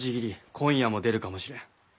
今夜も出るかもしれん。